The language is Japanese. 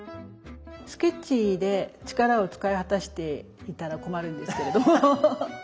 スケッチで力を使い果たしていたら困るんですけれども。